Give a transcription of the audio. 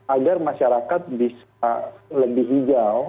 agar masyarakat bisa lebih hijau